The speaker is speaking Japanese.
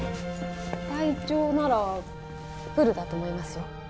隊長ならプールだと思いますよ